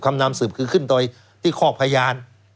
คำนำสืบคือขึ้นไปที่ข้อพยาน